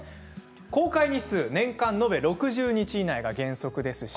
公開日数は年間延べ６０日以内が原則です。